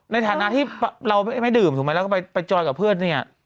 ในฐานะที่เราไม่ดื่มถูกไหมแล้วก็ไปจอยกับเพื่อนเนี่ย